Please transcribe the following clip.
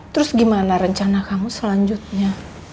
terus gimana rencana kamu selanjutnya